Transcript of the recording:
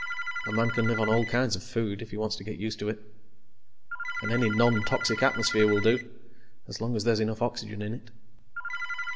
A man can live on all kinds of food, if he wants to get used to it. And any nontoxic atmosphere will do, as long as there's enough oxygen in it.